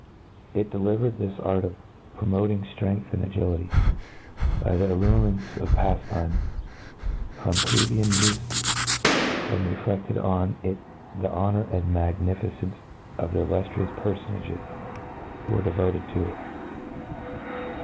It delivered this art of promoting ftrength and agility, by the a lurements of paftime, from plcbcin ufe, and re fleded on it the honour and nia^nificence of the illuftrious perfonagcs who were devoted to it.